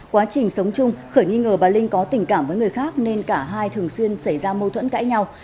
quá trình sống chung khởi nghi ngờ bà linh có tình cảm với người khác nên cả hai thường xuyên xảy ra mâu thuẫn cãi nhau